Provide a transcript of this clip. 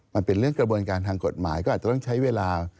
มันเป็นเรื่องกระบวนการทางกฎหมายก็อาจจะต้องใช้เวลา